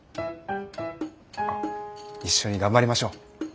一緒に頑張りましょう。